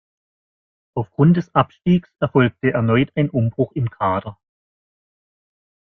Aufgrund des Abstiegs erfolgte erneut ein Umbruch im Kader.